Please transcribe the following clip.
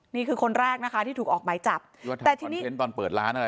นี่คือคนแรกนะคะที่ถูกออกหมายจับแต่ทีนี้เห็นตอนเปิดร้านอะไร